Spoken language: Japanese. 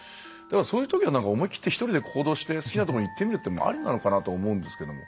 そういうときはなんか思い切って一人で行動して好きなところに行ってみるっていうのもありなのかなと思うんですけど。